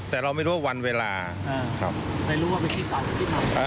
แต่เราไม่รู้ว่าวันเวลาครับ